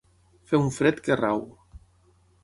Fer un fred que rau.